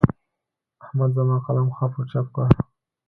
احمد زما قلم خپ و چپ کړ.